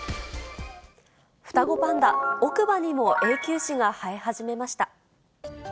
双子パンダ、奥歯にも永久歯が生え始めました。